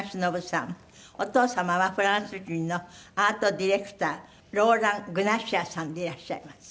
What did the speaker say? お父様はフランス人のアートディレクターローラン・グナシアさんでいらっしゃいます。